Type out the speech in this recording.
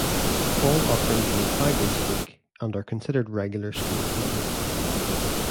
All offerings meet five days a week and are considered regular school commitments.